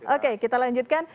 oke kita lanjutkan